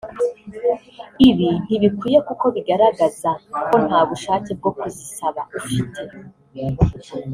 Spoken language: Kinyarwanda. ibi ntibikwiye kuko bigaragaza ko ntabushake bwo kuzisaba ufite